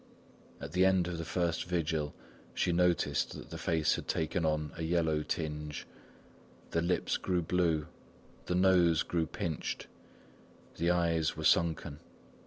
At the end of the first vigil, she noticed that the face had taken on a yellow tinge, the lips grew blue, the nose grew pinched, the eyes were sunken.